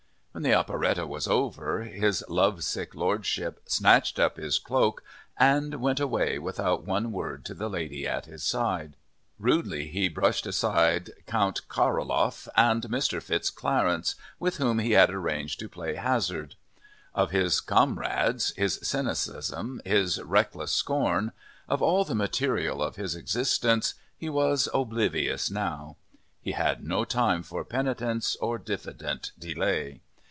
When the operette was over, his lovesick Lordship snatched up his cloak and went away without one word to the lady at his side. Rudely he brushed aside Count Karoloff and Mr. FitzClarence, with whom he had arranged to play hazard. Of his comrades, his cynicism, his reckless scorn of all the material of his existence he was oblivious now. He had no time for penitence or diffident delay.